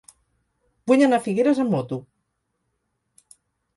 Vull anar a Figueres amb moto.